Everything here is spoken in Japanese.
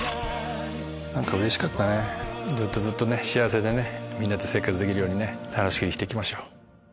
うれしかったねずっとずっと幸せでみんなで生活できるように楽しく生きて行きましょう。